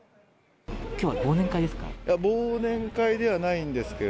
きょうは忘年会ですか？